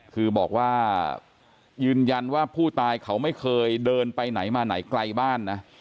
คือบอกว่ายืนยันว่าผู้ตายเขาไม่เคยเดินไปไหนมาไหนไกลบ้านนะ